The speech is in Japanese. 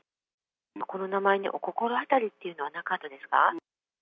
この名前にお心当たりっていうのはなかったですか？